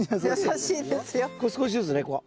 こう少しずつねこう。